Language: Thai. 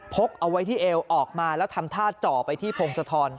กเอาไว้ที่เอวออกมาแล้วทำท่าเจาะไปที่พงศธร